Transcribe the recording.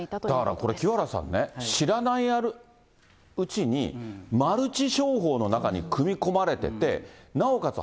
だからこれ、清原さんね、知らないうちにマルチ商法の中に組み込まれてて、なおかつ